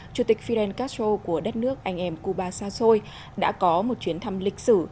chủ tịch fidel castro của đất nước anh em cuba xa xôi đã có một chuyến thăm lịch sử